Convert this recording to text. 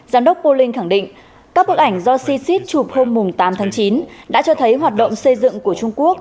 giám đốc poling khẳng định các bức ảnh do csit chụp hôm tám tháng chín đã cho thấy hoạt động xây dựng của trung quốc